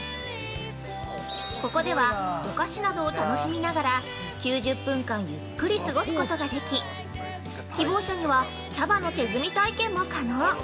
ここでは、お菓子などを楽しみながら９０分間ゆっくり過ごすとこができ、希望者には茶葉の手摘み体験も可能！